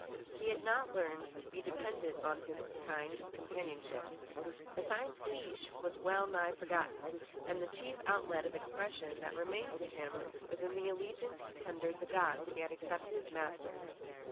He had not learned to be dependent on his kind for companionship. Besides, Kiche was well nigh forgotten; and the chief outlet of expression that remained to him was in the allegiance he tendered the gods he had accepted as masters.